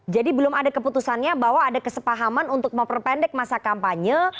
jadi belum ada keputusannya bahwa ada kesepahaman untuk memperpendek masa kampanye